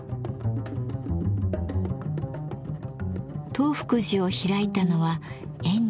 東福寺を開いたのは円爾。